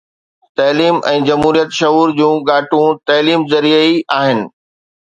تعليم ۽ جمهوريت شعور جون ڳاٽون تعليم ذريعي ئي آهن